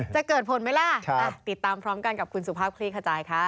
จะเกิดผลไหมล่ะติดตามพร้อมกันกับคุณสุภาพคลี่ขจายค่ะ